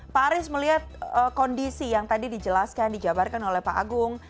pak aris melihat kondisi yang tadi dijelaskan dijabarkan oleh pak agung